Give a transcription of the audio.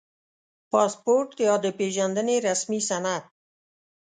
• پاسپورټ یا د پېژندنې رسمي سند